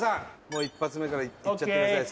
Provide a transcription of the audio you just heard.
もう１発目からいっちゃってください